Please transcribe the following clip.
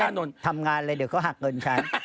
ฉันไม่ได้ทำงานเลยเดี๋ยวเขาหักเงินฉัน